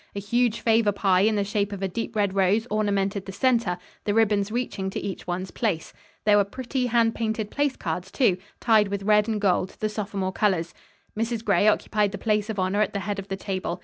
A huge favor pie in the shape of a deep red rose ornamented the center, the ribbons reaching to each one's place. There were pretty, hand painted place cards, too, tied with red and gold, the sophomore colors. Mrs. Gray occupied the place of honor at the head of the table.